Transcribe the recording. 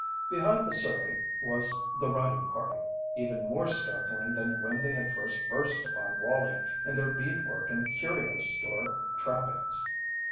Behind the surrey was the riding party, even more startling than when they had first burst upon Wallie in their bead work and curio store trappings.